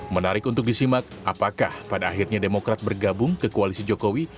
menarik untuk disimak apakah pada akhirnya demokrat bergabung ke koalisi jokowi